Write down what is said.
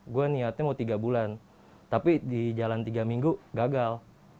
gue niatnya mau tiga bulan tapi di jalan tiga minggu gagal